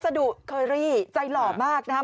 สะดุเคอรี่ใจหล่อมากนะครับ